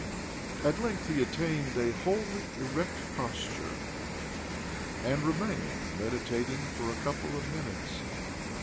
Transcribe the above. At length he attained a wholly erect posture, and remained meditating for a couple of minutes.